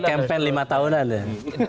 kempen lima tahunan